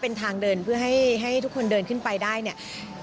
เป็นทางเดินเพื่อให้ทุกคนเดินขึ้นไปได้เนี่ย